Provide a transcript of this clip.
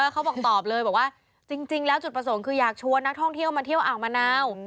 เขาบอกตอบเลยบอกว่าจริงแล้วจุดประสงค์คืออยากชวนนักท่องเที่ยวมาเที่ยวอ่างมะนาว